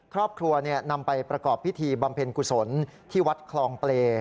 ครอบครัวนำไปประกอบพิธีบำเพ็ญกุศลที่วัดคลองเปรย์